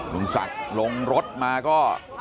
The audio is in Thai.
ลุงศักดิ์ลงรถมาก็